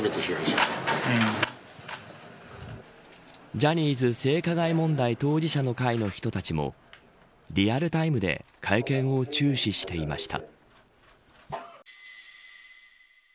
ジャニーズ性加害問題当事者の会の人たちもリアルタイムで会見を注視していました。